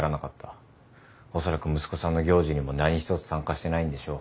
おそらく息子さんの行事にも何一つ参加してないんでしょう。